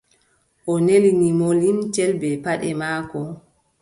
O nelini mo limcel bee paɗe maako.